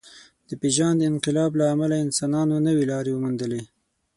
د پېژاند انقلاب له امله انسانانو نوې لارې وموندلې.